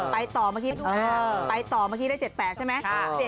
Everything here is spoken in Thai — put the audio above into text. ไปต่อเมื่อกี้ได้๗๘ใช่มั้ย